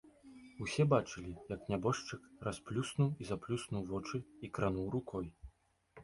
Усе бачылі, як нябожчык расплюснуў і заплюснуў вочы і крануў рукой.